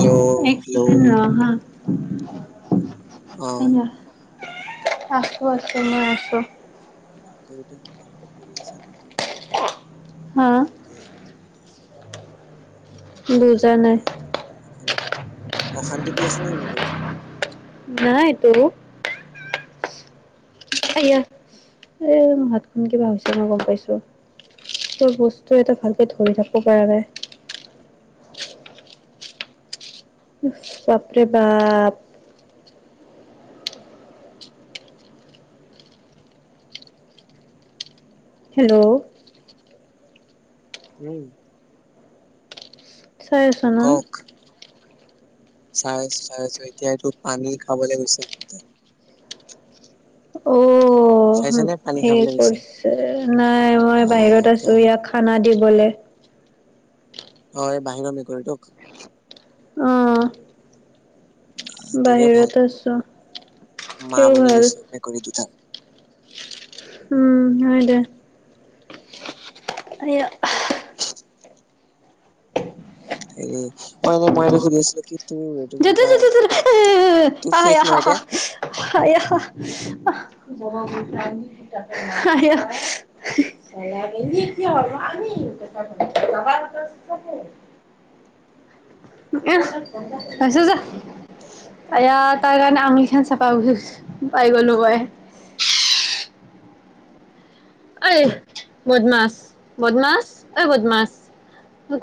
Hello এক second hello ৰ হা। অ'। [unintelligible] আছো, আছো মই আছো। [unintelligible] [unintelligible] [unintelligible] হা ঠিকে, ঠিকে। [unintelligible] বুজা নাই অশান্তি দি আছে, নেকি মেকুৰিটোৱে। নাই তেওঁ আয়া হাতখন কিবা হৈছে, মই গম পাইছোঁ। বস্তু এটা ভাল পাই থাকব পৰা নাই। বাপৰে বাপ। হেল্ল', উম', চাই আছ ন। কওক চাই আছো। চাই আছো। এতিয়া সেইটো পানী খাব লাগিছিল। ঔ চাইছেনে? সে কৰিছে নাই মই অ' বাহিৰত এতিয়া আছো। আহে। ইয়াক খানা দিবলৈ। অ', এই বাহিৰৰ মেকুৰীটোক। অ', আহ, তোৰে ভাল বাহিৰত আছো। মা কি বনি হ'ল। গৈছে মেকুৰী দুটা। উম', হয়। দে এনে অ মই এইটো সুধি আছিলোঁ। কি তুমি কি বুলি কয় তোৰ শেষ ন এতিয়া [unintelligible] [unintelligible] [unintelligible] [unintelligible] [unintelligible] হৈছে যা আয়া তাৰ কাৰণে আঙুলি খন চফা গ পাই গলোঁ। মই এ', বদমাছ বদমাছ এ, বদমাছ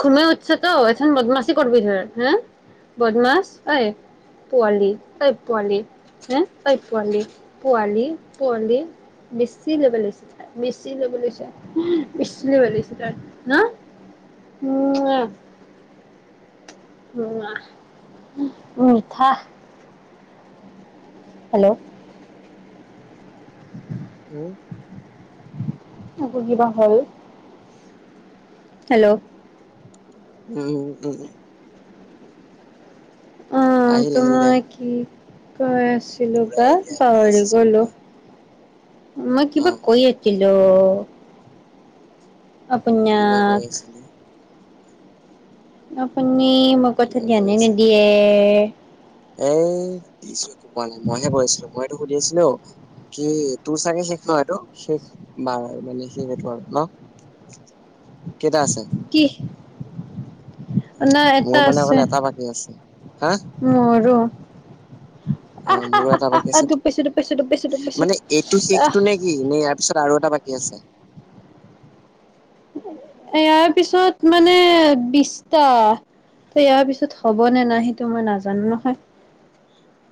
ঘুমে উঠছে তো এখন বদমাছি কৰবি ধৰ হা বদমাছ ঐ পোৱালি এই ঐ পোৱালি হে এই ঐ পোৱালি পোৱালি পোৱালি বেছি ল'বেল হৈছে। বেছি লেবেল হৈছে। বেছি লেবেল হৈছে। তাৰ ন [unintelligible] [unintelligible] মিঠা হেল্লো', উম। আকৌ কিবা হ'ল, হেল্ল'! উম উম। অ' আহিল তো আহিল দে মই কি কৈ আছিলো বা বুঢ়াই জ্ঞান দি পাহৰি আছে গলো চবকে মই কিবা অ'। কৈ আ ছিলো। কিবা কৈ আপোনাক। আছিলে আপুনি মোৰ কথা কিবা কৈ ধ্যানেই আছিলে নিদিয়ে। এই দিছো, একো কোৱা নাই মইহে কৈ আছিলো। মই সুধি আছিলো, অ' কি তোৰ চাগে শেষ নহ এইটো শেষ বাৰ। আৰু মানে শেষ এইটো আৰু ন, কেইটা আছে? কি? না মোৰ এটা মানে আছে, অকল [unintelligible] এটা বাকী আছে হা অ মোৰো এটা বাকী আছে [unintelligible] দুকপাইছো দুুকপাইছো দুুকপাইছো দুুকপাইছো মানে এইটো আহ। শেষটো নে কি নে ইয়াৰ পিছত আৰু এটা বাকী আছে? ইয়াৰ পিছত মানে বিশ টা ত' ইয়াৰ পিছত হব নে নাই সেইটো মই নাজানো নহয়।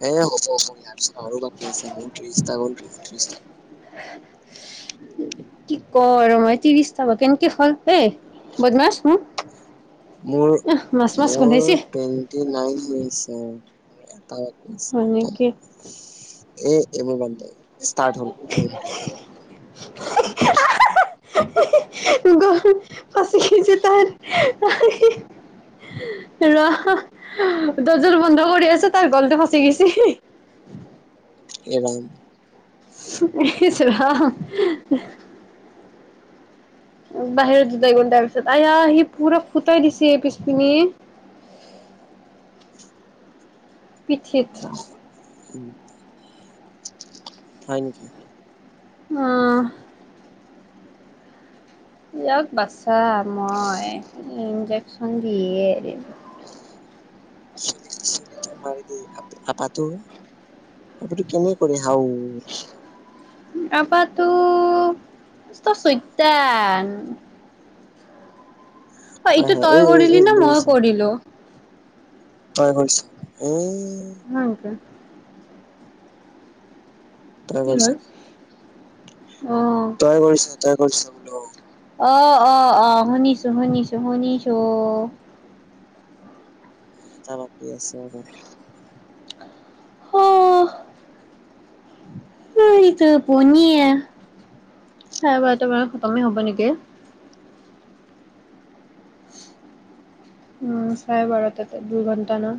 এ হ'ব, মই ইয়াৰ পিছত আৰু বাকী আছে মোৰ ত্ৰিশটা গ'ল তোৰো ত্ৰিশটা [unintelligible] কি ক ৰ মই ত্ৰিশটা বা কেনেকে হল হে? বদমাছ! হু' মোৰ আহ মাছ মাছ মোৰ গোন্ধাইছে। [unintelligible] এটা এ এনেকে এইবোৰ বাদ দে, ষ্টাৰ্ট হল। [unintelligible] গল ফাচি গিছে তাৰ। [unintelligible] ৰ! দৰ্জাটো বন্ধ কৰি আছো, তাৰ গলটো ফাচি গিচি। এ ৰাম! ইছ ৰাম! বাহিৰত দুটাই ঘন্টাৰ পিছত আয়া সি পুৰা ফুটাই দিছে পিছপিনে। পিঠিত উম, হয় নেকি? অঁ। [unintelligible] বাচ্ছা মই ইনজেকচন দিয়ে এৰিম। চলি চলিটো মাৰি দিবি আপাটো। আপিতো কেনে কৰে হাও। আপাটো মষ্ট চৈটান। [inaudible] অ' হয় এইটো হয় ঐ তই ঐ ঐ কৰিলি নে মই দৌৰিছে কৰিলো? তই কৰিছা। উম! হয় নেকি? তই কি হ'ল কৰিছ, অ তই কৰিছ তই কৰিছ বোলো। অ' অ' অ', শুনিছো শুনিছো শুনিছো। এটা বাকী আছে আৰু। হ টো পনীয়ে চাই বাৰটা মানত খতমেই হ'ব নেকি। উম! চাৰে বাৰটাতে দুঘন্টা ন?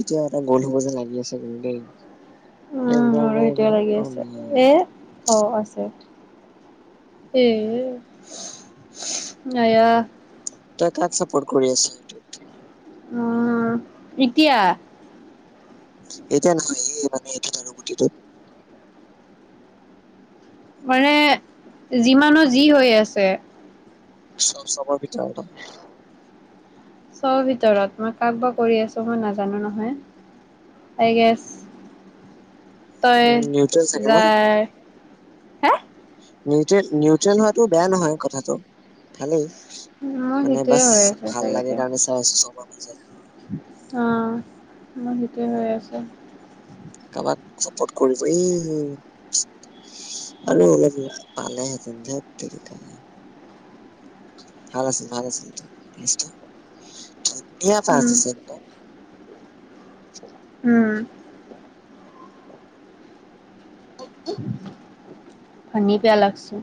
এতিয়া এটা গোল হব যেন লাগি আছে কিন্তু দেই। এই উম, গোটা গোটা কেইজনী আওম। অঁ আছে এ আয়াহ। তই কাক চাপৰ্ট কৰি আছিলি সেইটোত? উমঁ এতিয়া। এতিয়া নহয় এই মানে এইটোত আৰু গুটিটোত। মানে যিমানো যি হৈ আছে। চব চবৰ ভিতৰত অঁ। চব ভিতৰত মই কাবাক- কৰি আছোঁ মই নাজানো নহয় এই গাইছ- তই উম নিউট্ৰেল চাগে ন যায়- নিউট্ৰেল নিউট্ৰেল হোৱাটো বেয়া নহয় কথাটো ভালেই। মোৰ মানে সেইটোৱে বাছ হৈ আছে ভাল লাগে কাৰণে চাই আছোঁ চবাৰ মাজত। অঁ মোৰ সেইটয়ে হৈ আছে। কাৰোবাক চাপৰ্ট কৰিব এই- আৰু অলপ পালাইহেতেন ধেত তেৰিকা। ভাল আছিল ভাল আছিল ৰিলচতো ধুনীয়া এটা উম, আনিছে ন। চেকিক উমঁ উমঁ! পানী পিয়াহ লাগছে।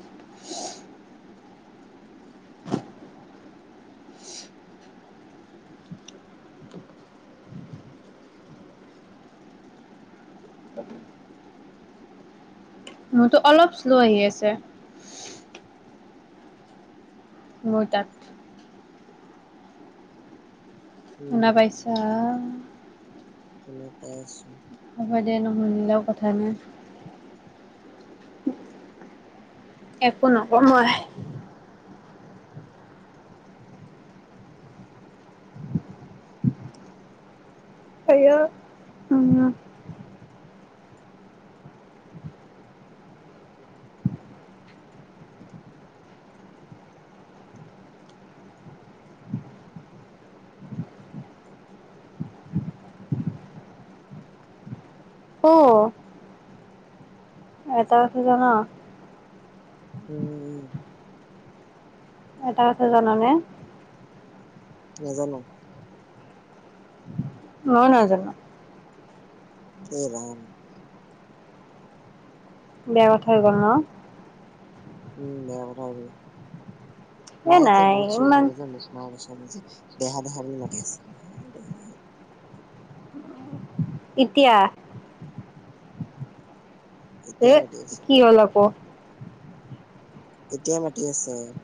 [inaudible] তাকে। মোৰতো অলপ শ্ল' আহি আছে। মোৰ তাত। শুনা উম পাইছা অ আ- শুনা পাই আছোঁ। হ'ব দে নশুনিলেও কথা নাই। একো নকওঁ আই- হেৰিয় উমঁ উমঁ। অঁ। এটা আছে জান। উমঁ উমঁ! এটা কথা জনানে- নাজানো। মইও নাজানো। এই ৰাম। বেয়া কথাই হৈ গ'ল ন। উমঁ বেয়া কথা কলোঁ এ মাইজে নাই বহুত চিঞৰি ইমান থাকে জানে মোক। মা কচম যে দেহা দেহা বুলি মাতি আছে। এতিয়া। এ এতিয়া মাতি আছে কি হ'ল আকৌ। এতিয়া মাতি আছে। ‌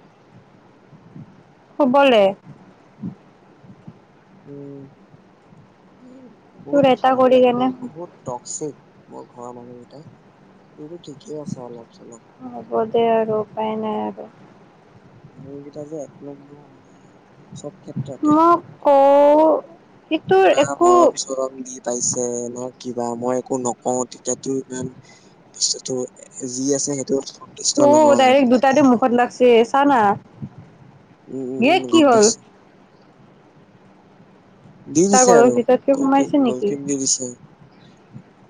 শুবলে। উমঁ, তোৰ বহুত এটা ফালতো কৰি লাগে কেনে দেই বহুত- টক্সিক মোৰ ঘৰৰ মানুহকেইটাই, কিন্তুটো ঠিকেই আছে অলপ চলপ। হ'ব দে আৰু উপায় নাই আৰু। মোৰ কিটা যে [unintelligible] মই কওঁ, ইটোৰ না একো। মৰম চৰম দি পাইছে, না কিবা, মই একো নকওঁ, তেতিয়াতো ইমান। [unintelligible] ও নহয় আৰু ডাইৰেক্ট লাগে দুটাতে মুখত লাগিছে, চানা। উম, উম, এ উম, কি গম হ'ল পাইছো। দি তাৰ দিছে গলৰ আৰু, ভিতৰত কি গ'ল কিক, সোমাইছে গ'ল নেকি কিক, দি দিছে।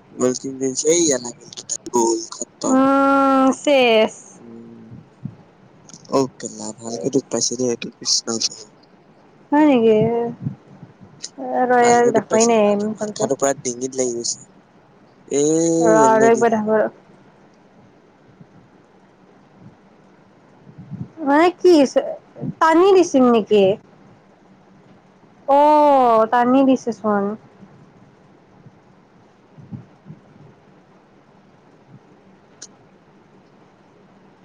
[unintelligible] অ', চেছ। অকে, ভাল কেই দুখ পাইছে দেই এইটো, কৃষ্ণ, কৃষ্ণ। হয় নেকি [unintelligible] ডিংগিত লাগি গৈছে, ৰ আৰু একবাৰ [unintelligible] দেখুৱা মানে কি হৈছে, টানি দিছিল নেকি। অ', টানি দিছে চোন।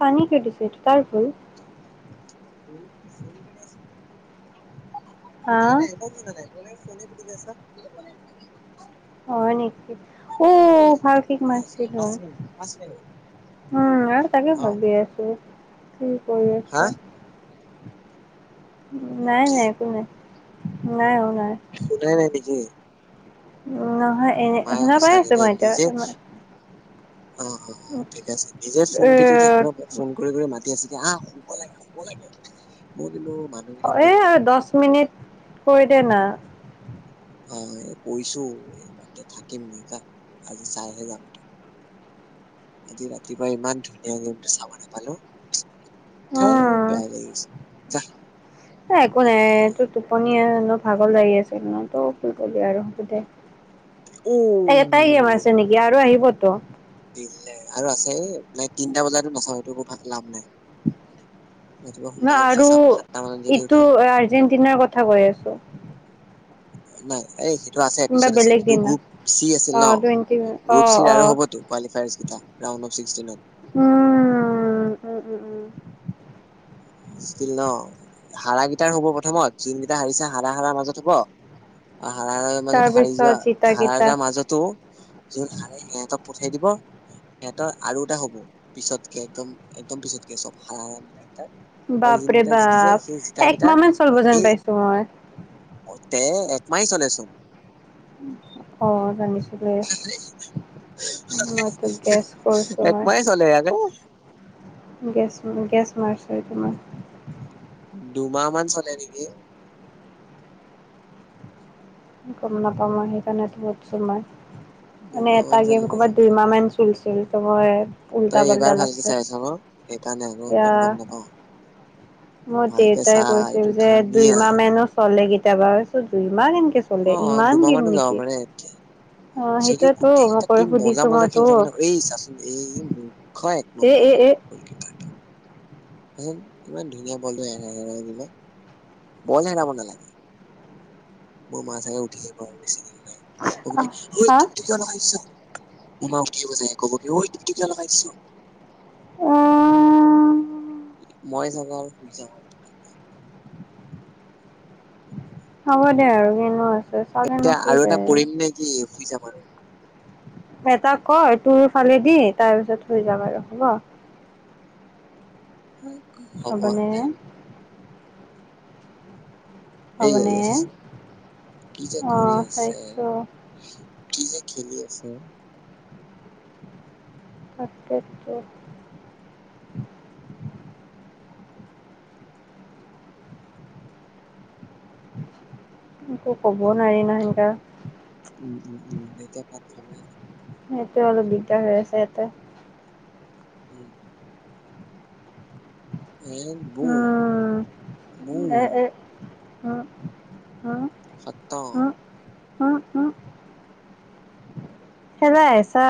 পানী কাটিছে, এইটো তাৰ ভুল। হা [inaudible] [inaudible] হয় নেকি, শুই অ', আছো ভাল কীক মাৰিছে আহি আছো গ'ল। পাঁচ মিনিট পাঁচ মিনিট উম, আৰু তাকে অ ভাবি আছো, কি কৰি হা আছা। নাই, কি নাই একো নাই, নাই অ', নাই। শুনাই নাই নেকি। নহয় এনে মায়ে শুনা পাই সঁচাকে আছো দেই মই এতিয়া নিজে, অ', অ', অ', ঠিক আছে, নিজে ফোন পিতিকি থাকিব। এ মোক, ফোন কৰি, কৰি মাতি আছে, আহ শুব লাগে, শুব লাগে, মই কিন্তু মাত এ আৰু দহ মিনিট, কৰি দে না। অ', এই কৈছো, এই বাদ দে, থাকিম বুজিছা আজি চাইহে যাম। আজি ৰাতিপুৱা, ইমান ধুনীয়া গেমটো চাব নাপালো। থেই, উম বেয়া লাগি গৈছে যা। একো নাই খেলা টোপনি ন, ভাগৰ লাগি আছে, [unintelligible] এটাই গেম ও আছে নেকি, আৰু আহিবতো। দিলে আৰু আছে এ তিনটা বজাতো নাচাও, এইটো একো ভাল লাভ নাই। ৰাতিপুৱা ন সোনকালে উঠিলে আৰু, চাম সাতটা মানত যদি ইটো উঠো আৰ্জেণ্টিনাৰ কথা কৈ আছো। নাই এই সেইটো আছে, কোনোবা পিছত আছে, বেলেগ সেইটো দিনা গ্ৰুপ চি আছিল অ ন, টুৱেণ্টি অ গ্ৰুপ চিৰ অ আৰু হ'বতো। কোৱালিফাইং জিকা ৰাউণ্ড অফ ছিক্সষ্টিনত। উম উম উম উম জিতিল ন, হাৰা কেইটাৰ হ'ব প্ৰথমত, যোনকেইটাৰ হাৰিছে হাৰা, হাৰা মাজত হ'ব। হাৰা হাৰা মাজত হাৰি তাৰপিছত যোৱা, জিতা হাৰাৰ কেইটা যাৰ মাজতো। যোন হাৰে, সিহঁতক পঠিয়াই দিব। সিহঁতৰ আৰু এটা হ'ব, পিছতকে একদম একদম পিছতকে, চব হাৰা হাৰা কেইটাৰ। বাপৰে বাপ, কেইটাৰ একমাহ মান চলিব যেন এই পাইছো মই। অ', তে একমাহ চলেচোন। অ', জানিছোঁ। যে, মইতো গেছ কৰিছোঁ মই। [unintelligible] গেছ, গেছ মাৰিছোঁ এইটো মই। দুমাহ মান চলে নেকি। গম নাপাওঁ মই সেইকাৰণে টো সুধিছো মই। মানে দুমাহ এটা মান গেম চলিব কৰ'বাত চাগে। দুইমাহ চ চলিছিল তাৰ পৰা তই এইবাৰ ভালকে চাইছ ন সেইকাৰণে হ'লেও এয়া ইমান গম নাপাও মোৰ ভালকে চা দেউতাই কৈছিল এইটো যে দুই ধুনীয়া মাহ মানো চলে কেতিয়াবা, কৈছো দুই মাহ কেনেকে চ অ দুুমাহ মানো যাব পাৰে অ যদি সেইটোয়েতো মই গোটেইকেইটা কৈ টিম মজা সুধিছো মই মজা খেলি তোক থাকে এই চা এই মুৰ্খ এক এ এ নম্বৰ এ গলকিপাৰটো। চাচোন ইমান ধুনীয়া বলটো হেৰাই হেৰাই দিলে' বল হেৰাব নালাগে। মোৰ মা চাগে উঠি আহিব আৰু বেছি দেৰি নাই ক'ব কি ঐ হা ডিউটি কিয় লগাইছ উম্ কি হৈ গৈছে ক'ব কি ঐ কেতিয়া লগাই দিছ। মই চাগে আৰু শুই যাম। হ'ব দে আৰু কিনে আছে চালেনো এতিয়া কি আৰু এটা যায়। কৰিম নে কি শুই যাম আৰু। এটাক ক তোৰ ফালে দি, তাৰ পিছত থৈ যাম আৰু হ'ব? হ'ব আৰু দে। হ'বনে এই আহ হ'বনে এইয়া চাচোন' কি যে কৰি অঁ আছে। চাইছোঁ কি যে খেলি আছে! তাকেটো। একো কবও নোৱাৰি ন সেনেকুৱা। উম উম উম দেউতাই ভাত খাবই আৰু। সেইটো অলপ দিগদাৰ হৈ আছে ইয়াতে। উম' এ বুম উম' বুম এ এ, উম, হম? আত'ত উম উম, খেলা হেচা